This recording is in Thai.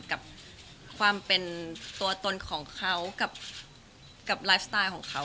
กับความเป็นตัวตนของเขากับไลฟ์สไตล์ของเขา